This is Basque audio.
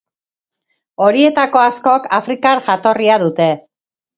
Horietako askok afrikar jatorria dute.